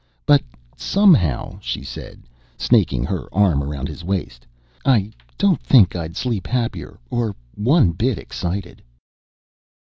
"But somehow," she said, snaking her arm around his waist, "I don't think I'd sleep happier or one bit excited."